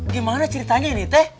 gimana ceritanya ini teh